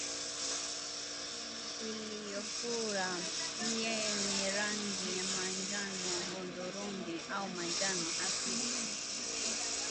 Ini iliyofura yenye rangi ya manjano hudhurungi au manjano hafifu